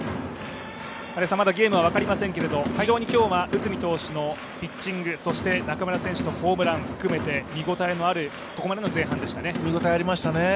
まだゲームは分かりませんけれども、今日は内海投手のピッチング、中村選手のホームラン含めて見応えのあるここまでの前半でしたね。